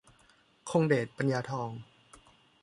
คงเดช ปัญญาทอง